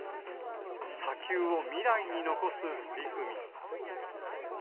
砂丘を未来に残す取り組み。